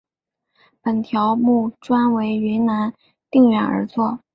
本条目专为云南定远而作。